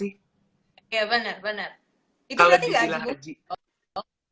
itu berarti gak ajib